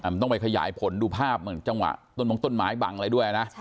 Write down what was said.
มันต้องไปขยายผลดูภาพเหมือนจังหวะต้นมงต้นไม้บังอะไรด้วยนะ